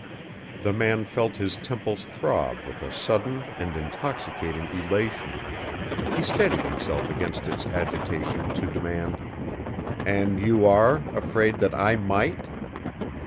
The man felt his temples throb with a sudden and intoxicating elation. He steadied himself against its agitation to demand, "And you are afraid that I might?"